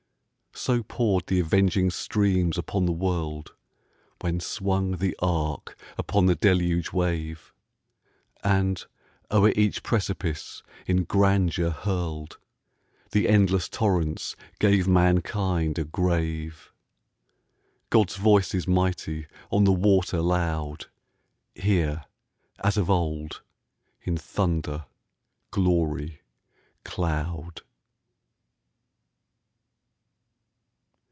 So poured the avenging streams upon the world When swung the ark upon the deluge wave, And, o'er each precipice in grandeur hurled, The endless torrents gave mankind a grave. God's voice is mighty, on the water loud, Here, as of old, in thunder, glory, cloud!